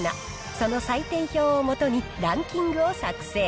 その採点表を基にランキングを作成。